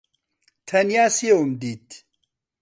تەنیا سێوم دیت.